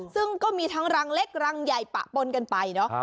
ซึ่งก็มีทั้งรังเล็กรังใหญ่ปะปนกันไปเนอะ